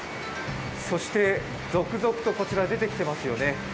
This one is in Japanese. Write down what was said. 続々とこちらに出てきていますよね。